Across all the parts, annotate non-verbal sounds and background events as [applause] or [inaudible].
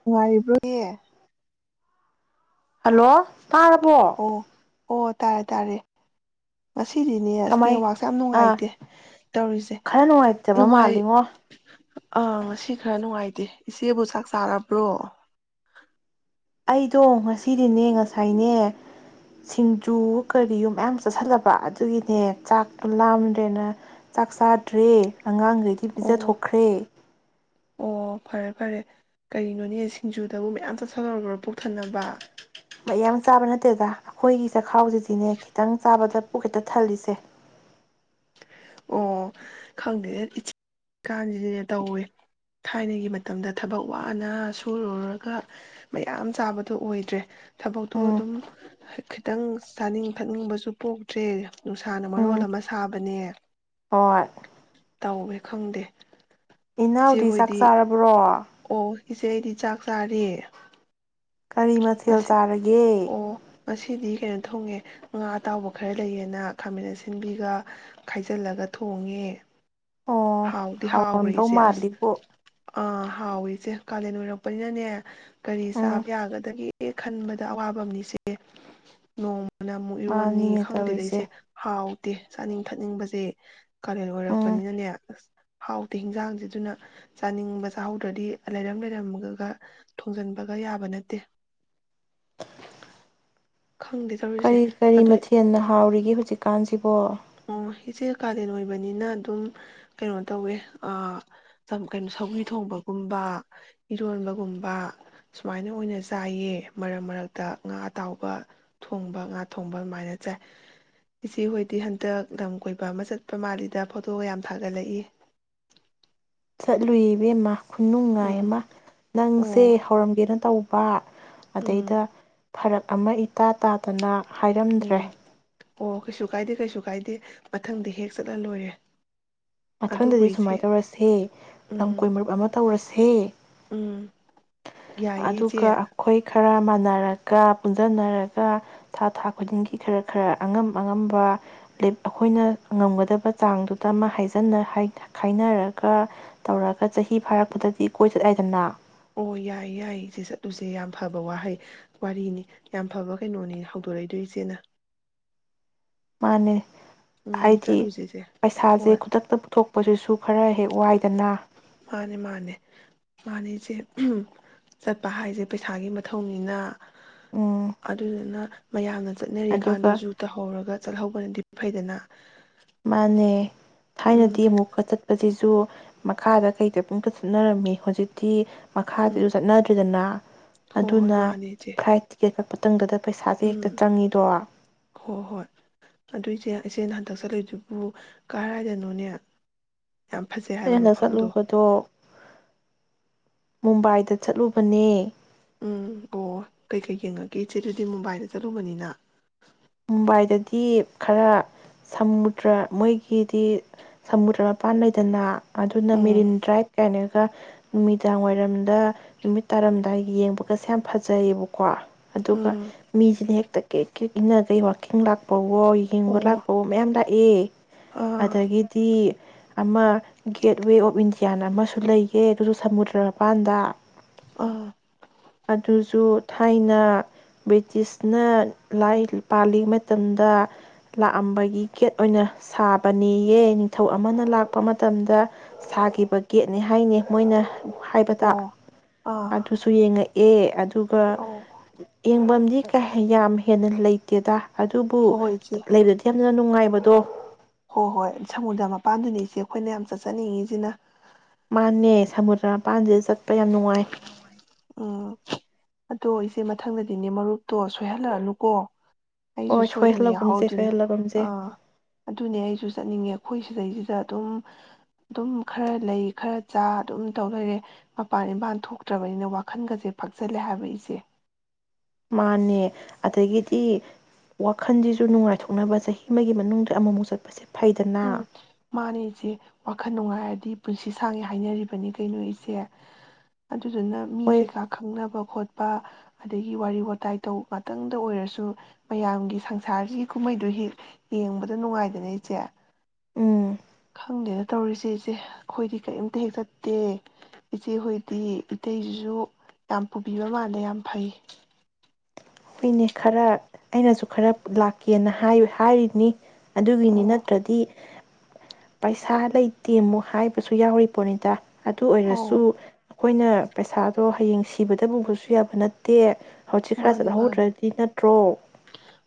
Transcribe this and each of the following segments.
ꯅꯨꯡꯉꯥꯏꯔꯤꯕ꯭ꯔꯣꯍꯦ hello ꯇꯥꯔꯕꯣ ꯑꯣ ꯑꯣ ꯇꯥꯔꯦ ꯇꯥꯔꯦ ꯉꯁꯤꯗꯤꯅꯦ ꯑꯁ ꯀꯃꯥꯏ ꯅꯦꯋꯥꯛꯁꯦ ꯌꯥꯝ ꯑꯥ ꯅꯨꯡꯉꯥꯏꯇꯦ ꯇꯧꯔꯤꯁꯦ ꯈꯔ ꯅꯨꯡꯉꯥꯏꯇꯕ ꯅꯨꯡꯉꯥꯏ ꯃꯥꯜꯂꯤꯉꯣ ꯑꯥ ꯉꯁꯤ ꯈꯔ ꯅꯨꯡꯉꯥꯏꯇꯦ ꯏꯆꯦꯕꯨ ꯆꯥꯛ ꯆꯥꯔꯕ꯭ꯔꯣ ꯑꯩꯗꯣ ꯉꯁꯤꯗꯤꯅꯦ ꯉꯁꯥꯏꯅꯦ ꯁꯤꯡꯖꯨꯑꯣ ꯀꯔꯤꯑꯣ ꯃꯌꯥꯝ ꯆꯠꯁꯜꯂꯕ ꯑꯗꯨꯒꯤꯅꯦ ꯆꯥꯛꯇꯣ ꯂꯥꯝꯗ꯭ꯔꯦꯅ ꯆꯥꯛ ꯆꯥꯗ꯭ꯔꯦ ꯑꯉꯥꯡꯒꯩ ꯄꯤꯖ ꯑꯣ ꯊꯣꯛꯈ꯭ꯔꯦ ꯑꯣ ꯐꯔꯦ ꯐꯔꯦ ꯀꯔꯤꯅꯣꯅꯦ ꯁꯤꯡꯖꯨꯗꯕꯨ ꯃꯌꯥꯝ ꯆꯥꯁꯤꯜꯂꯨꯔꯕꯔꯣ ꯄꯨꯛ ꯊꯟꯅꯕ ꯃꯌꯥꯝ ꯆꯥꯕ ꯅꯠꯇꯦꯗ ꯑꯩꯈꯣꯏꯒꯤ ꯆꯈꯥꯎꯁꯤꯗꯤꯅꯦ ꯈꯤꯇꯪ ꯆꯥꯕꯗ ꯄꯨꯛ ꯈꯦꯛꯇ ꯊꯜꯂꯤꯁꯦ ꯑꯣ ꯈꯪꯗꯦ ꯏꯆꯤ ꯀꯥꯟꯁꯤꯗ ꯇꯧꯋꯦ ꯊꯥꯏꯅꯒꯤ ꯃꯇꯝꯗ ꯊꯕꯛ ꯋꯥꯅ ꯁꯨꯔꯨꯔꯒ ꯃꯌꯥꯝ ꯆꯥꯕꯗꯣ ꯑꯣꯏꯗ꯭ꯔꯦ ꯊꯕꯛꯇꯣ ꯎꯝ ꯑꯗꯨꯝ ꯈꯤꯇꯪ ꯆꯥꯅꯤꯡ ꯊꯛꯅꯤꯡꯕꯁꯨ ꯄꯣꯛꯇ꯭ꯔꯦ ꯅꯨꯡꯁꯥꯅ ꯃꯔꯣꯜ ꯎꯝ ꯑꯃ ꯊꯥꯕꯅꯦ ꯍꯣꯏ ꯇꯧꯋꯦ ꯈꯪꯗꯦ ꯏꯆꯦ ꯏꯅꯥꯎꯗꯤ ꯆꯥꯛ ꯍꯣꯏꯗꯤ ꯆꯥꯔꯕ꯭ꯔꯣ꯫ ꯑꯣ ꯏꯆꯦ ꯑꯩꯗꯤ ꯆꯥꯛ ꯆꯥꯔꯦ ꯀꯔꯤ ꯃꯊꯦꯜ ꯉꯁꯤ ꯆꯥꯔꯒꯦ ꯑꯣ ꯉꯁꯤꯗꯤ ꯀꯩꯅꯣ ꯊꯣꯡꯉꯦ꯫ ꯉꯥ ꯑꯇꯥꯎꯕ ꯈꯔ ꯂꯩꯌꯦꯅ ꯈꯥꯃꯦꯟ ꯑꯁꯤꯟꯕꯤꯒ ꯈꯥꯏꯖꯜꯂꯒ ꯊꯣꯡꯉꯦ꯫ ꯑꯣ ꯍꯥꯎꯗꯤ ꯍꯥꯎꯒ꯭ꯔꯦ ꯍꯥꯎꯔꯝꯗꯧ ꯏꯆꯦ ꯑꯁ ꯃꯥꯜꯂꯤꯕꯣ ꯑ ꯍꯥꯎꯏ ꯏꯆꯦ ꯀꯥꯂꯦꯟ ꯑꯣꯏꯔꯛꯄꯅꯤꯅꯅꯦ ꯀꯔꯤ ꯎꯝ ꯆꯥꯕ ꯌꯥꯒꯗꯒꯦ ꯈꯟꯕꯗ ꯑꯋꯥꯕꯝꯅꯤ ꯏꯆꯦ ꯅꯣꯡ [unintelligible] ꯑꯃꯨꯛ ꯏꯔꯣꯟꯅꯤ ꯃꯥꯅꯤꯅꯦ ꯈꯪꯗꯦꯗ ꯇꯧꯔꯤꯁꯦ ꯏꯆꯦ ꯍꯥꯎꯇꯦ ꯆꯥꯅꯤꯡ ꯊꯠꯅꯤꯡꯕꯖꯦ ꯀꯥꯂꯦꯟ ꯎꯝ ꯑꯣꯏꯔꯛꯄꯅꯤꯅꯅꯦ ꯑꯁ ꯍꯥꯎꯇꯦ ꯍꯤꯟꯖꯥꯡꯖꯤ ꯑꯗꯨꯅ ꯆꯥꯅꯤꯡꯕ ꯆꯥꯍꯧꯗ꯭ꯔꯗꯤ ꯂꯩꯔꯝ ꯂꯩꯔꯝꯃꯒ ꯊꯣꯡꯖꯟꯕꯒ ꯌꯥꯕ ꯅꯠꯇꯦ ꯈꯪꯗꯦ ꯇꯧꯔꯤꯁꯦ ꯀꯔꯤ ꯀꯔꯤ ꯑꯗꯨ ꯃꯊꯦꯟꯅ ꯍꯥꯎꯔꯤꯒꯦ ꯍꯨꯖꯤꯛ ꯀꯥꯟꯖꯤꯕꯣ ꯑꯣ ꯏꯆꯦ ꯀꯥꯂꯦꯟ ꯑꯣꯏꯕꯅꯤꯅ ꯑꯗꯨꯝ ꯀꯩꯅꯣ ꯇꯧꯋꯦ ꯑꯥ ꯆꯝ ꯀꯩꯅ ꯁꯧꯒ꯭ꯔꯤ ꯊꯣꯡꯕꯒꯨꯝꯕ ꯏꯔꯣꯟꯕꯒꯨꯝꯕ ꯁꯨꯃꯥꯏꯅ ꯑꯣꯏꯅ ꯆꯥꯏꯌꯦ ꯃꯔꯛ-ꯃꯔꯛꯇ ꯉꯥ ꯑꯇꯥꯎꯕ ꯊꯣꯡꯕ ꯉꯥ ꯊꯣꯡꯕ ꯑꯗꯨꯃꯥꯏꯅ ꯆꯥꯏ ꯏꯆꯦ ꯍꯣꯏꯗꯤ ꯍꯟ ꯗ ꯂꯝ ꯀꯣꯏꯕ ꯑꯃ ꯆꯠꯄ ꯃꯥꯜꯂꯤꯗꯥ ꯐꯣꯇꯣꯒ ꯌꯥꯝ ꯊꯥꯒꯠꯂꯛꯏ ꯆꯠꯂꯨꯏ ꯏꯕꯦꯝꯃ ꯈꯨꯅꯨꯡꯉꯥꯏ ꯎꯝ ꯑꯃ ꯅꯪꯁꯦ ꯑꯣ ꯍꯧꯔꯝꯒꯦꯅ ꯇꯧ ꯄꯥ ꯎꯝ ꯑꯗꯩꯗ ꯐꯔꯛ ꯑꯃ ꯏꯇꯥ ꯇꯥꯗꯅ ꯍꯥꯏꯔꯝꯗ꯭ꯔꯦ ꯎꯝ ꯑꯣ ꯀꯩꯁꯨ ꯀꯥꯏꯗꯦ ꯀꯩꯁꯨ ꯀꯥꯏꯗꯦ ꯃꯊꯪꯗ ꯍꯦꯛ ꯆꯠꯂ ꯂꯣꯏꯔꯦ꯫ ꯑꯗꯨꯕꯨ ꯃꯊꯪꯗꯗꯤ ꯁꯨꯃꯥꯏ ꯏꯆꯦ ꯇꯧꯔꯁꯦ ꯎꯝ ꯂꯝꯀꯣꯏ ꯃꯔꯨꯞ ꯑꯃ ꯇꯧꯔꯁꯦ ꯎꯝ ꯌꯥꯏꯌꯦ ꯑꯗꯨꯒ ꯏꯆꯦ ꯑꯈꯣꯏ ꯈꯔ ꯃ ꯅꯔꯒ ꯄꯨꯟꯖꯟꯅꯔꯒ ꯊꯥ ꯊꯥ ꯈꯨꯗꯤꯡꯒꯤ ꯈꯔ ꯈꯔ ꯑꯉꯝ ꯑꯉꯝꯕ ꯂꯦꯞ ꯑꯈꯣꯏꯅ ꯉꯝꯒꯗꯕ ꯆꯥꯡꯗꯨꯃ ꯍꯥꯏ [unintelligible] ꯍꯥꯏ ꯈꯥꯏꯅꯔꯒ ꯇꯧꯔꯒ ꯆꯍꯤ ꯐꯥꯔꯛꯄꯗꯗꯤ ꯀꯣꯏ ꯆꯠ ꯌꯥꯏꯗꯅ ꯑꯣ ꯌꯥꯏ ꯌꯥꯏ ꯏꯆꯦ ꯆꯠꯂꯨꯖꯦ ꯌꯥꯝ ꯐꯕ ꯋꯥꯍꯩ ꯋꯥꯔꯤꯅꯤ ꯌꯥꯝ ꯐꯕ ꯀꯩꯅꯣꯅꯤ ꯍꯧꯗꯣꯔꯛꯏꯗꯣ ꯏꯆꯦꯅ꯫ ꯃꯥꯟꯅꯦ ꯎꯝ ꯍꯥꯏꯗꯤ ꯆꯠꯂꯨꯁꯦ ꯏꯆꯦ ꯄꯩꯁꯥꯖꯦ ꯈꯨꯗꯛꯇ ꯄꯨꯊꯣꯛꯄꯖꯤꯁꯨ ꯈꯔ ꯍꯦꯛ ꯋꯥꯏꯗꯅ ꯃꯥꯟꯅꯦ ꯃꯥꯟꯅꯦ ꯃꯥꯟ ꯗꯤ ꯏꯆꯦ ꯎꯝ ꯆꯠꯄ ꯍꯥꯏꯖꯦ ꯄꯩꯁꯥꯒꯤ ꯃꯊꯧꯅꯤꯅ ꯎꯝ ꯑꯗꯨꯗꯨꯅ ꯃꯌꯥꯝꯅ ꯑꯗꯨꯒ ꯆꯠꯅꯔꯤꯀꯥꯟꯗꯖꯨ ꯇꯧꯍꯧꯔꯒ ꯆꯠꯍꯧꯕꯅꯗꯤ ꯐꯩꯗꯅꯥ ꯃꯥꯟꯅꯦ ꯊꯥꯏꯅꯗꯤ ꯑꯃꯨꯛꯀ ꯆꯠꯄꯖꯤꯖꯨ ꯃꯈꯥꯗ ꯀꯩꯗ [unintelligible] ꯆꯠꯅꯔꯝꯃꯤ ꯍꯨꯖꯤꯛꯇꯤ ꯃꯈꯥꯗꯖꯨ ꯎꯝ ꯆꯠꯅꯗ꯭ꯔꯦꯗꯅꯥ ꯍꯣꯏ ꯍꯣꯏ ꯑꯗꯨꯅ ꯃꯥꯅꯦ ꯏꯆꯦ ꯐ꯭ꯔꯥꯏꯠ ꯇꯤꯀꯦꯠ ꯀꯛꯄ [unintelligible] ꯄꯩꯁꯥꯖꯦ ꯍꯦꯛꯇ ꯎꯝ ꯆꯪꯉꯤꯗꯣ [inaudible] ꯍꯣꯏ ꯍꯣꯏ ꯑꯗꯨ ꯏꯆꯦ ꯏꯆꯦꯅ ꯍꯟꯗꯛ ꯆꯠꯂꯨꯏꯗꯨꯕꯨ ꯀꯥꯔꯥꯏꯗꯅꯣꯅꯦ ꯑꯩꯅ ꯍꯟꯗꯛ ꯆꯠꯂꯨꯕꯗꯣ ꯃꯨꯝꯕꯥꯏꯗ ꯆꯠꯂꯨꯕꯅꯦ ꯎꯝ ꯑꯣ ꯀꯩꯀꯩ ꯌꯦꯡꯉꯛꯀꯦ ꯏꯆꯦꯗꯨꯗꯤ ꯃꯨꯝꯕꯥꯏꯗ ꯆꯠꯂꯨꯕꯅꯤꯅ ꯃꯨꯝꯕꯥꯏꯗꯗꯤ ꯈꯔꯥ ꯁꯃꯨꯗ꯭ꯔꯥ ꯃꯣꯏꯒꯤꯗꯤ ꯁꯃꯨꯗ꯭ꯔ ꯃꯄꯥꯟ ꯂꯩꯗꯅꯥ ꯑꯗꯨꯅ ꯎꯝ ꯃꯦꯔꯤꯟ ꯗ꯭ꯔꯥꯏꯚ ꯀꯥꯏꯅꯒ ꯅꯨꯃꯤꯗꯥꯡ ꯋꯥꯏꯔꯝꯗ ꯅꯨꯃꯤꯠ ꯇꯥꯔꯝꯗꯥꯏ ꯌꯦꯡꯕꯒꯁꯦ ꯌꯥꯝ ꯐꯖꯩꯌꯦꯕꯀꯣ ꯑꯗꯨꯒ ꯎꯝ ꯃꯤꯁꯤꯅ ꯍꯦꯛ ꯇꯥ ꯀꯤꯠ ꯀꯤꯠ ꯏꯅ ꯑꯩ ꯋꯥꯀꯤꯡ ꯂꯥꯛꯄꯧ ꯑꯣ ꯌꯦꯡꯕ ꯑꯣ ꯂꯥꯛꯄꯑꯣ ꯃꯌꯥꯝ ꯂꯥꯛꯑꯦ ꯑꯥ ꯑꯗꯒꯤꯗꯤ ꯑꯃ ꯒꯦꯠꯋꯦ ꯑꯣꯐ ꯏꯟꯗꯤꯌꯥꯅ ꯑꯃꯁꯨ ꯂꯩꯒꯦ ꯑꯗꯨꯁꯨ ꯁꯃꯨꯗ꯭ꯔ ꯃꯄꯥꯟꯗ ꯑꯥ ꯑꯗꯨꯁꯨ ꯊꯥꯏꯅ ꯕ꯭ꯔꯤꯇꯤꯁꯅ ꯂꯥꯏ ꯄꯥꯜꯂꯤ ꯃꯇꯝꯗ ꯂꯥꯛꯑꯝꯕꯒꯤ ꯒꯦꯠ ꯑꯣꯏꯅ ꯁꯥꯕꯅꯦꯌꯦ ꯅꯤꯡꯊꯧ ꯑꯃꯅ ꯂꯥꯛꯄ ꯃꯇꯝꯗ ꯁꯥꯈꯤꯕ ꯒꯦꯠꯅꯦ ꯍꯥꯏꯅꯦ ꯃꯣꯏꯅ ꯍꯥꯏꯕꯗ ꯑꯣ ꯑꯥ ꯑꯗꯨꯁꯨ ꯌꯦꯡꯉꯛꯑꯦ ꯑꯗꯨ ꯄꯥ ꯑꯣ ꯌꯦꯡꯕꯝ [unintelligible] ꯌꯥꯝ ꯍꯦꯟꯅ ꯂꯩ ꯇꯦꯗ ꯑꯗꯨꯕꯨ ꯍꯣꯏ ꯍꯣꯏ ꯏꯆꯦ ꯂꯩꯕꯗꯤ ꯌꯥꯝꯅ ꯅꯨꯡꯉꯥꯏꯕꯗꯣ ꯍꯣꯏ ꯍꯣꯏ ꯁꯃꯨꯗ꯭ꯔ ꯃꯄꯥꯟꯗꯨꯅꯤ ꯏꯆꯦ ꯑꯩꯈꯣꯏꯅ ꯌꯥꯝ ꯆꯠꯆꯅꯤꯡꯉꯤꯁꯤꯅ ꯃꯥꯅꯦ ꯁꯃꯨꯗ꯭ꯔ ꯃꯄꯥꯟꯗ ꯆꯠꯄ ꯌꯥꯝ ꯅꯨꯡꯉꯥꯏ ꯎꯝ ꯑꯗꯣ ꯏꯆꯦ ꯃꯊꯪꯗꯗꯤꯅꯦ ꯃꯔꯨꯞꯇꯣ ꯁꯣꯏꯍꯜꯂꯛꯑꯅꯨꯀꯣ ꯑꯩꯁꯨ ꯍꯣꯏ ꯁꯣꯏꯗꯅ ꯁꯣꯏꯍꯜꯂꯒꯨꯝꯁꯦ ꯌꯥꯎꯍꯧꯗꯨꯏꯅꯦ ꯁꯣꯏꯍꯜꯂꯒꯨꯝꯁꯦ ꯑꯥ ꯑꯗꯨꯅꯦ ꯑꯩꯁꯨ ꯆꯠꯅꯤꯡꯉꯦ ꯑꯩꯈꯣꯏ ꯁꯤꯗꯩꯁꯤꯗ ꯑꯗꯨꯝ ꯑꯗꯨꯝ ꯈꯔ ꯂꯩ ꯈꯔ ꯆꯥ ꯑꯗꯨꯝ ꯇꯧ ꯂꯩꯔꯦ ꯃꯄꯥꯟ ꯏꯝꯄꯥꯟ ꯊꯣꯛꯇ꯭ꯔꯕꯅꯤꯅ ꯋꯥ ꯋꯥꯈꯟꯒꯁꯦ ꯐꯛꯆꯜꯂꯦ ꯍꯥꯏꯕ ꯏꯆꯦ ꯃꯥꯟꯅꯦ ꯑꯗꯒꯤꯗꯤ ꯋꯥꯈꯜꯁꯤꯁꯨ ꯅꯨꯡꯉꯥꯏꯊꯣꯛꯅꯕ ꯆꯍꯤ ꯑꯃꯒꯤ ꯃꯅꯨꯡꯗ ꯑꯃꯃꯨꯛ ꯆꯠꯄꯁꯦ ꯎꯝ ꯐꯩꯗꯅ ꯃꯥꯅꯦ ꯏꯆꯦ ꯋꯥꯈꯜ ꯅꯨꯡꯉꯥꯏ ꯗꯤ ꯄꯨꯟꯁꯤ ꯁꯥꯡꯉꯦ ꯍꯥꯏꯅꯔꯤꯕꯅꯤ ꯀꯩꯅꯣ ꯏꯆꯦ ꯑꯗꯨꯗꯨꯅ ꯃꯤꯁꯦ ꯍꯣꯏ ꯄꯥꯛ ꯈꯪꯅꯕ ꯈꯣꯠ ꯕ ꯑꯗꯒꯤ ꯋꯥꯔꯤ ꯋꯥꯇꯥꯏ ꯇꯧ ꯉꯥꯛꯇꯪꯗ ꯑꯣꯏꯔꯁꯨ ꯃꯌꯥꯝꯒꯤ ꯁꯪꯁꯥꯔꯁꯤꯒꯤ ꯀꯨꯝꯍꯩꯗꯨ ꯍꯦꯛ ꯌꯦꯡꯕꯗ ꯅꯨꯡꯉꯥꯏꯗꯅ ꯏꯆꯦ ꯎꯝ ꯈꯪꯗꯦꯅ ꯇꯧꯔꯤꯁꯦ ꯏꯆꯦ ꯑꯩꯈꯣꯏꯗꯤ ꯀꯔꯤꯝꯇ ꯍꯦꯛ ꯆꯠꯇꯦ ꯏꯆꯦꯍꯣꯏꯗꯤ ꯏꯇꯩꯁꯤꯁꯨ ꯌꯥꯝ ꯄꯨꯕꯤꯕ ꯃꯥꯜꯂꯦ ꯌꯥꯝ ꯐꯩ꯫ ꯍꯣꯏꯅꯦ ꯈꯔ ꯑꯩꯅꯁꯨ ꯈꯔ ꯂꯥꯛꯀꯦꯅ ꯍꯥꯏ ꯍꯥꯏꯔꯤꯅꯤ꯫ ꯑꯗꯨꯒꯤꯅꯤ ꯑꯣ ꯅꯠꯇ꯭ꯔꯗꯤ꯫ ꯄꯩꯁꯥ ꯂꯩꯇꯦ ꯑꯃꯨꯛ ꯍꯥꯏꯕꯁꯨ ꯌꯥꯎꯔꯤ ꯄꯣꯠꯅꯤꯗ꯫ ꯑꯗꯨ ꯑꯧ ꯑꯣꯏꯔꯁꯨ ꯑꯩꯈꯣꯏꯅ ꯄꯩꯁꯥꯗꯣ ꯍꯌꯦꯡ ꯁꯤꯕꯗ ꯄꯨꯕꯁꯨ ꯌꯥꯕ ꯅꯠꯇꯦ ꯍꯧꯖꯤꯛ ꯈꯔ ꯃꯥꯅꯦ ꯃꯥꯅꯦ ꯆꯠꯍꯧꯗ꯭ꯔꯗꯤ ꯅꯠꯇ꯭ꯔꯣ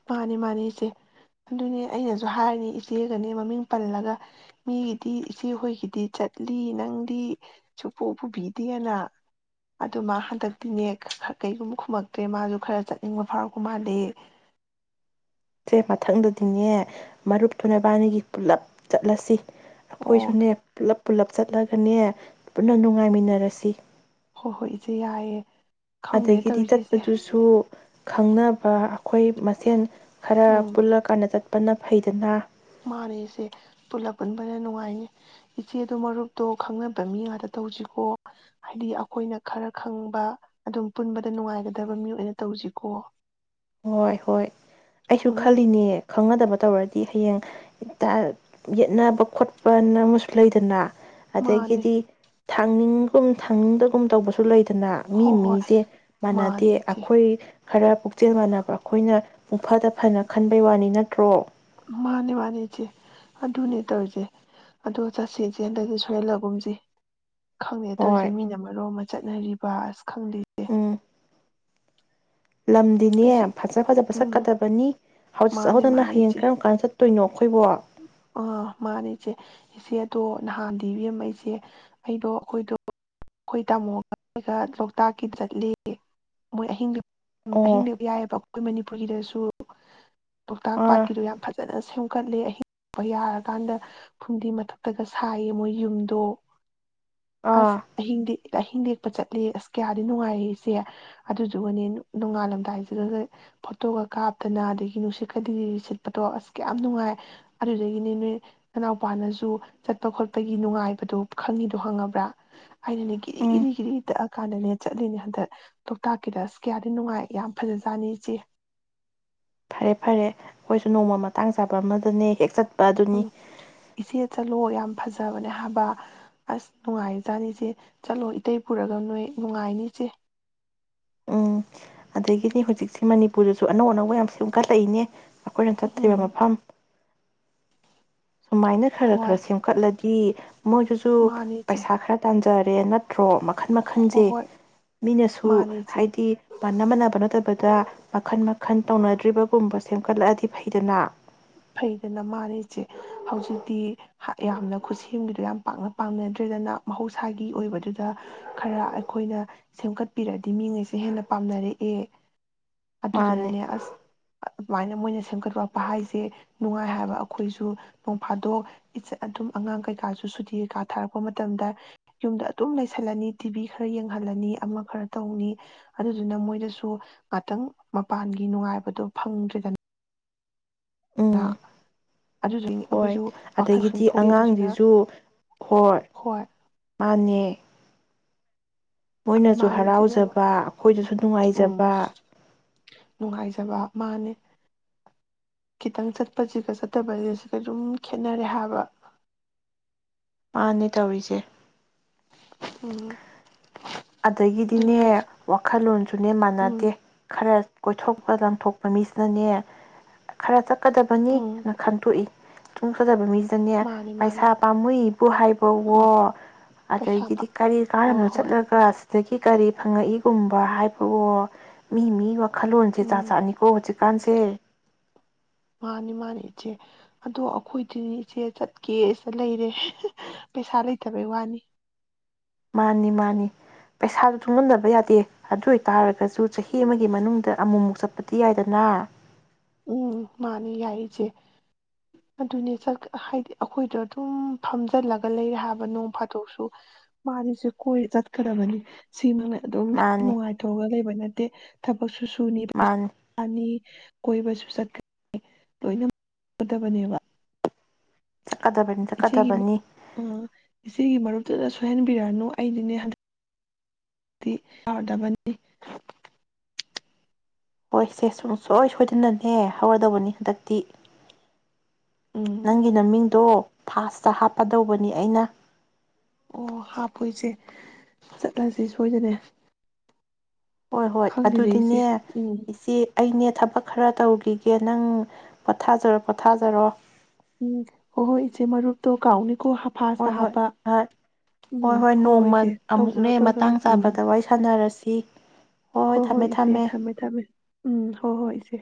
ꯃꯥꯅꯦ ꯃꯥꯅꯦ ꯏꯆꯦ ꯑꯗꯨꯅꯦ ꯑꯩꯅꯁꯨ ꯍꯥꯏꯔꯅꯦ ꯏꯆꯦꯒꯅꯦ ꯃꯃꯤꯡ ꯄꯜꯂꯒ ꯃꯤꯒꯤꯗꯤ ꯏꯆꯦ ꯍꯣꯏꯒꯤꯗꯤ ꯆꯠꯂꯤ ꯅꯪꯗꯤ ꯁꯨꯄꯨ ꯄꯨꯕꯤꯗꯦꯅ ꯑꯗꯨ ꯃꯥ ꯍꯟꯗꯛꯇꯤꯅꯦ ꯀꯩꯒꯨꯝꯕ ꯈꯨꯃꯛ ꯇꯦ ꯃꯥꯁꯨ ꯈꯔ ꯆꯠꯅꯤꯡꯕ ꯐꯥꯎꯔꯛꯄ ꯃꯥꯜꯂꯦ꯫ ꯁꯦ ꯃꯊꯪꯗꯗꯤꯅꯦ ꯃꯔꯨꯞꯇꯨ ꯅꯕꯥꯅꯤꯒꯤ ꯄꯨꯂꯞ ꯆꯠꯂꯁꯤ꯫ ꯑꯣ ꯑꯩꯈꯣꯏꯁꯨꯅꯦ ꯄꯨꯂꯞ ꯄꯨꯂꯞ ꯆꯠꯂꯒꯅꯦ ꯄꯨꯟꯅ ꯅꯨꯡꯉꯥꯏꯃꯤꯟꯅꯔꯁꯤ ꯍꯣꯏ ꯍꯣꯏ ꯏꯆꯦ ꯌꯥꯏꯌꯦ꯫ ꯈꯪꯗꯦ ꯑꯥꯗꯒꯤꯗꯤ ꯇꯧꯔꯤꯁꯦ ꯏꯆꯦ ꯆꯠꯄꯗꯨꯁꯨ ꯈꯪꯅꯕ ꯑꯩꯈꯣꯏ ꯃꯁꯦꯟ ꯈꯔ ꯎꯝ ꯄꯨꯜꯂ ꯀꯥꯟꯗ ꯆꯠ ꯄꯅ ꯐꯩꯗꯅ ꯃꯥꯅꯦ ꯏꯆꯦ ꯄꯨꯜꯂꯞ ꯄꯨꯟꯕꯅ ꯅꯨꯡꯉꯥꯏꯌꯦ ꯏꯆꯦꯗꯣ ꯃꯔꯨꯞꯇꯣ ꯈꯪꯅꯕ ꯃꯤ ꯉꯥꯛꯗ ꯇꯧꯖꯤꯀꯣ ꯍꯥꯏꯗꯤ ꯑꯈꯣꯏꯅ ꯈꯔ ꯈꯪꯕ ꯑꯗꯨꯝ ꯄꯨꯟꯕꯗ ꯅꯨꯡꯉꯥꯏꯒꯗꯕ ꯃꯤ ꯑꯣꯏꯅ ꯇꯧꯖꯤꯀꯣ꯫ ꯍꯣꯏ ꯍꯣꯏ꯫ ꯑꯩꯁꯨ ꯈꯜꯂꯤꯅꯦ ꯈꯪꯅꯗꯕ ꯇꯧꯔ ꯗꯤ ꯍꯌꯦꯡ ꯍꯦꯛꯇꯥ ꯌꯦꯠꯅꯕ ꯈꯣꯠꯄꯅ ꯑꯃꯁꯨ ꯂꯩꯗꯅ ꯃꯥꯅꯤ ꯑꯗꯒꯤꯗꯤ ꯊꯥꯡꯅꯤꯡꯒꯨꯝ ꯊꯥꯡꯅꯤꯡꯗꯒꯨꯝ ꯇꯧꯕꯁꯨ ꯂꯩꯗ ꯅ ꯃꯤ ꯍꯣꯏ ꯍꯣꯏ ꯃꯤꯖꯦ ꯃꯥꯟꯅꯗꯦ ꯃꯥꯅꯤ ꯏꯆꯦ ꯑꯈꯣꯏ ꯈꯔ ꯄꯨꯛ ꯄꯨꯛꯆꯦꯜ ꯃꯥꯟꯅꯕ ꯑꯈꯣꯏꯅ ꯄꯨꯡꯐꯗ ꯐꯅ ꯈꯟꯕꯩ ꯋꯥꯅꯤ ꯅꯠꯇ꯭ꯔꯣ ꯃꯥꯅꯦ ꯃꯥꯅꯦ ꯏꯆꯦ ꯑꯗꯨꯅꯦ ꯇꯧꯔꯤꯖꯦ ꯑꯗꯣ ꯆꯠꯁꯦ ꯏꯆꯦ ꯍꯟꯗꯛꯇꯤ ꯁꯣꯏꯍꯜꯂꯒꯨꯝꯖꯤ꯫ ꯈꯪꯗꯦꯅꯦ ꯇꯧꯔꯤꯁꯦ ꯍꯣꯏ ꯃꯤꯅ ꯃꯔꯣ ꯑꯃ ꯆꯠꯅꯔꯤ ꯕꯥꯁ ꯈꯪꯗꯦ ꯎꯝ꯫ ꯏꯆꯦ ꯂꯝꯗꯤꯅꯦ ꯐꯖ ꯐꯖꯕ ꯎꯝ ꯆꯠꯀꯗꯕꯅꯤ ꯍꯧꯖꯤꯛ ꯃꯥꯅꯦ ꯆꯠꯍꯧꯗꯅ ꯃꯥꯅꯦ ꯍꯌꯦꯡ ꯏꯆꯦ ꯀꯔꯝ ꯀꯥꯟꯗ ꯆꯠꯇꯣꯏꯅꯣ ꯑꯩꯈꯣꯏꯕꯣ ꯑꯥ ꯃꯥꯅꯦ ꯏꯆꯦ ꯏꯆꯦ ꯑꯗꯣ ꯅꯍꯥꯟꯗꯤ ꯏꯕꯦꯝꯃ ꯏꯆꯦ ꯑꯩꯗꯣ ꯑꯩꯈꯣꯏꯗꯣ ꯑꯈꯣꯏ ꯇꯥꯃꯣꯒ ꯂꯣꯛꯇꯥꯛꯀꯤꯗ ꯂꯦꯛꯑꯦ ꯃꯣꯏ ꯑꯍꯤꯡꯒ ꯎꯝ ꯑꯍꯤꯡ ꯑꯣ ꯂꯦꯛ ꯌꯥꯏꯌꯦꯕ ꯑꯩꯈꯣꯏ ꯃꯅꯤꯄꯨꯔꯒꯤꯗꯁꯨ ꯂꯣꯛꯇꯥꯛ ꯑꯥ ꯄꯥꯠꯀꯤꯗꯣ ꯌꯥꯝ ꯐꯖꯅ ꯁꯦꯝꯀꯠꯂꯦ ꯑꯍꯤꯡ ꯌꯥꯔꯀꯥꯟꯗ ꯐꯨꯝꯗꯤ ꯃꯊꯛꯇꯒ ꯁꯥꯏꯌꯦ ꯃꯣꯏꯒꯤ ꯌꯨꯝꯗꯣ꯫ ꯑꯁ ꯑꯥ ꯑꯍꯤꯡꯗꯤ ꯑꯍꯤꯡ ꯂꯦꯛ ꯆꯠꯂꯤ ꯑꯁ ꯀꯌꯥꯗꯤ ꯅꯨꯡꯉꯥꯏꯔꯦ ꯏꯆꯦ ꯑꯗꯨꯗꯨꯒꯅꯦ ꯅꯣꯡꯉꯥꯜꯂꯝꯗꯥꯏꯁꯤꯒ ꯐꯣꯇꯣꯒ ꯀꯥꯞꯇꯅ ꯑꯗꯒꯤ ꯅꯨꯡꯁꯤꯠꯀ ꯂꯤꯔꯤ ꯂꯤꯔꯤ ꯁꯤꯠꯄꯗꯣ ꯑꯁ ꯀꯌꯥꯝ ꯅꯨꯡꯉꯥꯏ ꯑꯗꯨꯗꯒꯤꯅꯦ ꯅꯣꯏ ꯅꯅꯥꯎꯄꯥꯅꯁꯨ ꯆꯠꯄ ꯈꯣꯠꯄꯒꯤ ꯅꯨꯡꯉꯥꯏꯕꯗꯣ ꯈꯪꯉꯤꯗꯣ ꯈꯪꯂꯕ꯭ꯔꯥ ꯑꯩꯅꯅꯦ ꯒꯔꯤ ꯎꯝ ꯒꯔꯤ ꯒꯔꯤ ꯇꯛꯑ ꯀꯥꯟꯗꯅꯦ ꯆꯠꯂꯤꯅꯦ ꯍꯟꯗꯛ ꯂꯣꯛꯇꯥꯛꯀꯤꯗ ꯑꯁ ꯀꯌꯥꯗꯤ ꯅꯨꯡꯉꯥꯏ ꯌꯥꯝ ꯐꯖꯖꯥꯠꯅꯤ ꯏꯆꯦ ꯐꯔꯦ ꯐꯔꯦ ꯑꯩꯈꯣꯏꯁꯨ ꯅꯣꯡꯃ ꯃꯇꯥꯡ ꯆꯥꯕ ꯑꯃꯗꯅꯦ ꯍꯦꯛ ꯆꯠ ꯎ ꯏꯆꯦ ꯆꯠꯂꯣ ꯌꯥꯝ ꯐꯖꯕꯅꯦ ꯍꯥꯏꯕ ꯑꯁ ꯅꯨꯡꯉꯥꯏꯖꯥꯠꯅꯤ ꯏꯁꯦ ꯆꯠꯂꯣ ꯏꯇꯩ ꯄꯨꯔꯒ ꯅꯣꯏ ꯅꯨꯡꯉꯥꯏꯅꯤ ꯏꯁꯦ꯫ ꯑꯗꯒꯤꯅꯤ ꯍꯧꯖꯤꯛꯁꯦ ꯃꯅꯤꯄꯨꯔꯗꯁꯨ ꯑꯅꯧ ꯑꯅꯧꯕ ꯌꯥꯝ ꯁꯦꯝꯒꯠꯂꯛꯏꯅꯦ꯫ ꯑꯩꯈꯣꯏꯅ ꯆꯠꯇ꯭ꯔꯤꯕ ꯎꯝ ꯃꯐꯝ ꯁꯨꯃꯥꯏꯅ ꯈꯔ ꯈꯔ ꯍꯣꯏ ꯁꯦꯝꯒꯠꯂꯗꯤ ꯃꯣꯏꯗꯨꯁꯨ ꯃꯥꯅꯦ ꯏꯆꯦ ꯄꯩꯁꯥ ꯈꯔ ꯇꯥꯟꯖꯩ ꯀꯔꯦ ꯅꯠꯇ꯭ꯔ ꯍꯣ ꯃꯈꯟ ꯍꯣꯏ ꯃꯈꯜꯁꯦ ꯍꯣꯏ ꯃꯤꯅꯁꯨ ꯃꯥꯅꯦ ꯏꯆꯦ ꯍꯥꯏꯗꯤ ꯃꯥꯟꯅ ꯃꯥꯟꯅꯕ ꯅꯠꯇꯕꯗ ꯃꯈꯟ ꯃꯈꯟ ꯇꯧꯅꯗ꯭ꯔꯤꯕ ꯀꯨꯝꯕ ꯁꯦꯝꯒꯠꯂꯛꯑꯗꯤ ꯐꯩꯗꯅ ꯐꯩꯗꯅ ꯃꯥꯅꯦ ꯏꯆꯦ ꯍꯧꯖꯤꯛꯇꯤ ꯍꯥ ꯌꯥꯝꯅ ꯈꯨꯠꯁꯦꯝꯒꯤꯗꯨ ꯌꯥꯝ ꯄꯥꯛꯅ ꯄꯥꯝꯅꯗ꯭ꯔꯦꯗꯅ ꯃꯍꯧꯁꯥꯒꯤ ꯑꯣꯏꯕꯗꯨꯗ ꯈꯔ ꯑꯩꯈꯣꯏꯅ ꯁꯦꯝꯒꯠꯄꯤꯔꯗꯤ ꯃꯤꯉꯩꯁꯦ ꯍꯦꯟꯅ ꯄꯥꯝꯅꯔꯛꯑꯦ꯫ ꯃꯥꯅꯦ ꯑꯗꯨꯗꯨꯅꯅꯦ ꯑꯁ ꯁꯨꯃꯥꯏꯅ ꯃꯣꯏꯅ ꯁꯦꯝꯒꯠꯔꯛꯄ ꯍꯥꯏꯁꯦ ꯅꯨꯡꯉꯥꯏ ꯍꯥꯏꯕ ꯑꯈꯣꯏꯁꯨ ꯅꯣꯡꯐꯥꯗꯣꯛ ꯏꯆ ꯑꯗꯨꯝ ꯑꯉꯥꯡ ꯀꯩꯀꯥꯁꯨ ꯁꯨꯇꯤ ꯀꯩꯀꯥ ꯊꯥꯔꯛꯄ ꯃꯇꯝꯗ ꯌꯨꯝꯗ ꯑꯗꯨꯝ ꯂꯩꯁꯜꯂꯅꯤ ꯇꯤꯕꯤ ꯈꯔ ꯌꯦꯡꯍꯜꯂꯅꯤ ꯑꯃ ꯈꯔ ꯇꯧꯅꯤ ꯑꯗꯨꯗꯨꯅ ꯃꯣꯏꯗꯁꯨ ꯉꯥꯛꯇꯪ ꯃꯄꯥꯟꯒꯤ ꯅꯨꯡꯉꯥꯏꯕꯗꯨ ꯐꯪꯗ꯭ꯔꯦꯗꯅ ꯅ ꯎꯝ ꯍꯣꯏ ꯑꯗꯒꯤꯗꯤ ꯑꯗꯨꯗꯨꯅ ꯑꯉꯥꯡꯁꯤꯁꯨ ꯍꯣꯏ ꯃꯥꯅꯦ ꯃꯣꯏꯅꯁꯨ ꯃꯥꯅꯦ ꯁꯤꯗꯤ ꯑꯃ ꯍꯔꯥꯎꯖꯕ ꯑꯈꯣꯏꯗꯁꯨ ꯅꯨꯡꯉꯥꯏꯖꯕ ꯎꯝ ꯅꯨꯡꯉꯥꯏꯖꯕ ꯃꯥꯅꯦ ꯈꯤꯇꯪ ꯆꯠꯄꯁꯤꯒ ꯆꯠꯇꯕꯁꯤꯒ ꯑꯗꯨꯝ ꯈꯦꯠꯅꯔꯦ ꯍꯥꯏꯕ꯫ ꯃꯥꯅꯦ ꯇꯧꯔꯤꯁꯦ꯫ ꯎꯝ ꯑꯗꯨꯅꯦ ꯑꯗꯒꯤꯗꯤꯅꯦ ꯑꯁ ꯋꯥꯈꯜꯂꯣꯟꯁꯨꯅꯦ ꯎꯝ ꯃꯥꯟꯅꯗꯦ ꯈꯔ ꯀꯣꯏꯊꯣꯛꯄ ꯂꯥꯡꯊꯣꯛꯄ ꯃꯤꯁꯤꯅꯅꯦ ꯈꯔ ꯎꯝ ꯆꯠꯀꯗꯕꯅꯤꯅ ꯈꯟꯇꯣꯛꯏ ꯁꯨꯛꯆꯠ ꯆꯠꯇꯕ ꯃꯤꯁꯤ ꯃꯥꯅꯤ [unintelligible] ꯃꯥꯅꯤ ꯄꯩꯁꯥ ꯄꯥꯝꯃꯨꯏꯕꯨ ꯍꯥꯏꯕꯋꯣ ꯑꯥ ꯄꯩꯁꯥ ꯄꯥ ꯑꯗꯒꯤꯗꯤ ꯀꯔꯤ ꯍꯣꯏ ꯀꯥꯅꯝꯅꯣ ꯍꯣꯏ ꯆꯠꯂꯒ ꯑꯁꯤꯗꯒꯤ ꯀꯔꯤ ꯐꯪꯉꯛꯏꯒꯨꯝꯕ ꯍꯥꯏꯕꯋꯣ ꯃꯤ ꯃꯤ ꯈꯜꯂꯣꯟꯜꯁꯦ ꯖꯥꯠ ꯎꯝ ꯖꯥꯠꯅꯤꯀꯣ ꯍꯧꯖꯤꯛ ꯀꯥꯟꯁꯦ ꯃꯥꯅꯤ ꯃꯥꯅꯤ ꯏꯆꯦ ꯑꯗꯣ ꯑꯈꯣꯏꯗꯤ ꯏꯆꯦ ꯆꯠꯀꯦ ꯁꯤ ꯂꯩꯔꯦ ꯄꯩꯁꯥ ꯂꯩꯇꯕꯩ ꯋꯥꯅꯤ ꯃꯥꯅꯤ ꯃꯥꯅꯤ ꯄꯩꯁꯥꯗꯨ ꯇꯨꯡꯍꯟꯗꯕ ꯌꯥꯗꯦ ꯑꯗꯨ ꯑꯣꯏꯇꯥꯔ [unintelligible] ꯆꯍꯤ ꯑꯃꯒꯤ ꯃꯅꯨꯡꯗ ꯑꯃꯨꯛꯃꯨꯛ ꯆꯠꯄꯗꯤ ꯌꯥꯏꯗꯅ ꯎꯝ ꯃꯥꯅꯦ ꯌꯥꯏ ꯏꯆꯦ ꯑꯗꯨꯅꯦ ꯆꯠ ꯍꯥꯏꯗꯤ ꯑꯩꯈꯣꯏꯗꯣꯗꯨꯝ ꯐꯝꯖꯤꯜꯂꯒ ꯂꯩꯔꯦ ꯍꯥꯏꯕ ꯅꯣꯡ ꯐꯥꯗꯣꯛꯁꯨ ꯃꯥꯅꯤꯁꯨ ꯀꯣꯏ ꯆꯠꯀꯗꯕꯅꯤ ꯁꯤꯃꯛꯅ ꯑꯗꯨꯝ ꯃꯥꯅꯤ ꯅꯨꯡꯉꯥꯏꯊꯣꯛꯑꯒ ꯂꯩꯕ ꯅꯠ ꯇꯦ ꯊꯕꯛꯁꯨ ꯇꯨꯅꯤ ꯃꯥꯅꯤ ꯑꯅꯤ ꯀꯣꯏꯕꯁꯨ ꯆꯠꯀꯅꯤ ꯂꯣꯏꯅꯃꯛꯗꯕꯅꯦꯕ ꯆꯠꯀꯗꯕꯅꯤ ꯏꯆꯦꯒꯤꯃ ꯆꯠꯀꯗꯕꯅꯤ ꯑ ꯏꯆꯦꯒꯤ ꯃꯔꯨꯞ ꯇꯨꯗ ꯁꯣꯏꯍꯟꯕꯤꯔꯅꯨ ꯑꯩꯗꯤꯅꯦ ꯍꯟꯗꯛ ꯇꯤ ꯑꯥꯔꯗꯕꯅꯦ ꯍꯣꯏ ꯏꯆꯦ ꯁꯨꯡꯁꯣꯏ ꯁꯣꯏꯗꯅꯅꯦ ꯍꯧꯔꯗꯧꯕꯅꯤ ꯍꯟꯗꯛꯇꯤ ꯎꯝ ꯅꯪꯒꯤ ꯅꯃꯤꯡꯗꯣ ꯐꯥꯁꯇ ꯍꯥꯞꯄꯗꯧꯕꯅꯤ ꯑꯩꯅ꯫ ꯑꯣ ꯍꯥꯞꯄꯣ ꯏꯆꯦ ꯆꯠꯂꯖꯦ ꯁꯣꯏꯗꯅꯦ ꯍꯣꯏ ꯍꯣꯏ ꯈꯪꯗꯦꯗ ꯏꯆꯦ ꯑꯗꯨꯗꯤꯅꯦ ꯎꯝ ꯏꯆꯦ, ꯑꯩꯅꯦ ꯊꯕꯛ ꯈꯔ ꯇꯧꯔꯨꯈꯤꯒꯦ ꯅꯪ ꯄꯣꯊꯥꯖꯔꯣ ꯄꯣꯊꯥꯖꯔꯣ ꯎꯝ ꯍꯣꯏ ꯍꯣꯏ ꯏꯆꯦ ꯃꯔꯨꯇꯨ ꯀꯥꯎꯅꯤ꯫ ꯍꯣꯏ ꯍꯣꯏ ꯑꯥ ꯍꯣꯏ ꯎꯝ ꯍꯣꯏ ꯅꯣꯡꯃ ꯏꯆꯦ ꯑꯃꯨꯛꯅꯦ ꯇꯧꯖꯔꯣ ꯇꯧꯖꯔꯣ ꯃꯇꯥꯡ ꯆꯥꯕꯗ ꯋꯥꯔꯤ ꯁꯥꯟꯅꯔꯁꯤ꯫ ꯏꯛ ꯍꯣ ꯍꯣꯏ ꯏꯆꯦ ꯊꯝꯃꯦ ꯊꯝꯃꯦ ꯎꯝ ꯍꯣ ꯍꯣꯏ ꯏꯆꯦ꯫